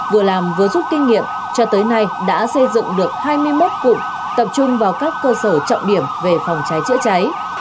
vừa làm vừa giúp kinh nghiệm cho tới nay đã xây dựng được hai mươi một cụm tập trung vào các cơ sở trọng điểm về phòng cháy chữa cháy